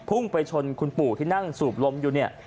พุ่งไปชนคุณปู่ที่นั่งสูบลมอยู่เนี่ย